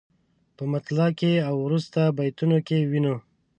په مطلع کې او وروسته بیتونو کې وینو.